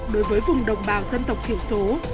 đối với vùng đồng bào dân tộc thiểu số